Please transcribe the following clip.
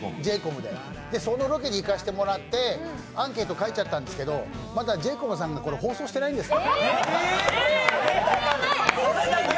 そのロケに行かせてもらってアンケート書いちゃったんですけど、まだＪ：ＣＯＭさんが放送してないんです。